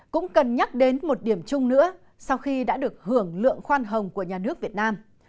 cũng cần nhắc đến một điểm chung nữa sau khi đã được hưởng lượng khoan hồng của nhà nước việt nam